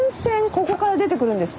ここから出てくるんですか？